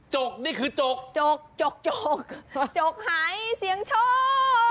จกนี่คือจกจกจกจกจกหายเสียงโชค